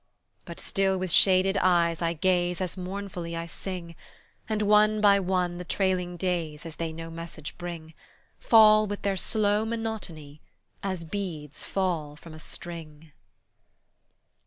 But still with shaded eyes I gaze As mournfully I sing, And one by one the trailing days, As they no message bring, Fall with their slow monotony As beads fall from a string.